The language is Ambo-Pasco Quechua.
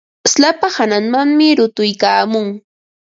Slapa hananmanmi runtuykaamun.